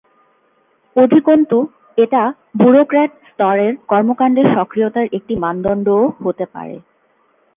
অধিকন্তু এটা ব্যুরোক্র্যাট স্তরের কর্মকাণ্ডের সক্রিয়তার একটি মানদণ্ডও হতে পারে।